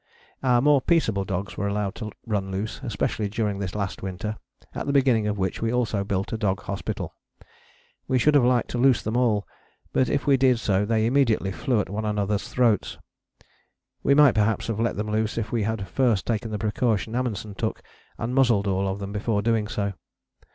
Our more peaceable dogs were allowed to run loose, especially during this last winter, at the beginning of which we also built a dog hospital. We should have liked to loose them all, but if we did so they immediately flew at one another's throats. We might perhaps have let them loose if we had first taken the precaution Amundsen took, and muzzled all of them before doing so.